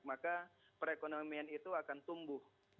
maka perekonomian itu akan tumbuh